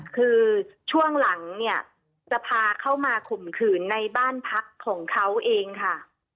คือช่วงหลังเนี่ยจะพาเข้ามาข่มขืนในบ้านพักของเขาเองค่ะ